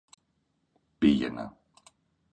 Πήγαινα